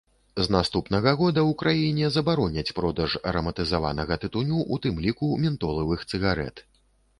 З наступнага года ў краіне забароняць продаж араматызаванага тытуню, у тым ліку ментолавых цыгарэт.